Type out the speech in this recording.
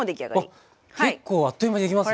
あっ結構あっという間にできますね。